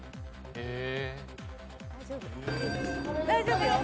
大丈夫。